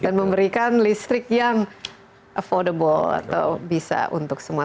dan memberikan listrik yang affordable atau bisa untuk semua